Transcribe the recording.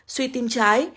một suy tim trái